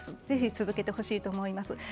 ぜひ続けてほしいと思います。